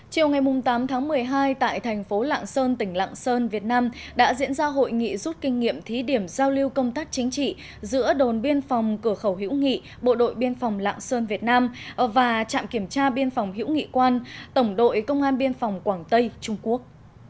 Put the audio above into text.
chiều ngày tám tháng một mươi hai tại thành phố lạng sơn tỉnh lạng sơn việt nam đã diễn ra hội nghị rút kinh nghiệm thí điểm giao lưu công tác chính trị giữa đồn biên phòng cửa khẩu hữu nghị bộ đội biên phòng lạng sơn việt nam và trạm kiểm tra biên phòng hữu nghị quan tổng đội công an biên phòng quảng tây trung quốc